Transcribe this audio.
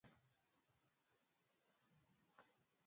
natamani sana ungeelewa hivyo